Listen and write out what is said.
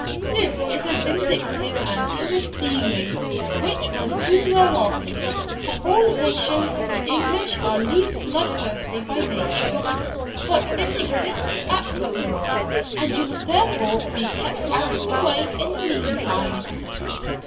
This is a vindictive and timid feeling which will soon wear off, for of all nations the English are least blood thirsty by nature. But it exists at present, and you must therefore be kept out of the way in the mean time.'